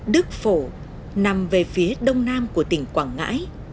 đức phổ nằm về phía đông nam của tỉnh quảng ngãi